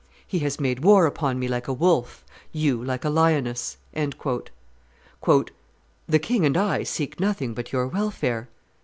He has made war upon me like a wolf, you like a lioness." "The king and I seek nothing but your welfare."